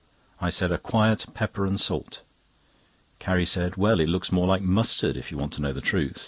I said: "A quiet pepper and salt." Carrie said: "Well, it looks more like mustard, if you want to know the truth."